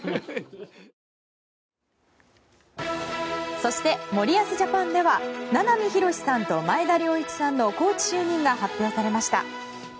そして森保ジャパンでは名波浩さんと前田遼一さんのコーチ就任が発表されました。